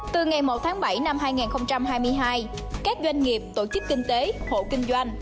từ ngày một tháng bảy năm hai nghìn hai mươi hai các doanh nghiệp tổ chức kinh tế hộ kinh doanh